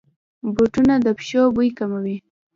بوټونه د پښو بوی کموي.